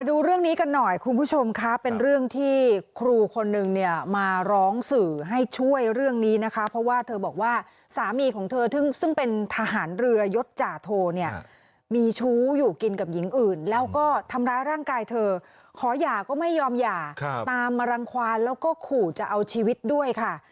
ดูเรื่องนี้กันหน่อยคุณผู้ชมค่ะเป็นเรื่องที่ครูคนนึงเนี่ยมาร้องสื่อให้ช่วยเรื่องนี้นะคะเพราะว่าเธอบอกว่าสามีของเธอซึ่งเป็นทหารเรือยศจ่าโทเนี่ยมีชู้อยู่กินกับหญิงอื่นแล้วก็ทำร้ายร่างกายเธอขอหย่าก็ไม่ยอมหย่าตามมารังความแล้วก็ขู่จะเอาชีวิตด้วยค่ะ